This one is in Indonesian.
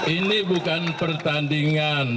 ini bukan pertandingan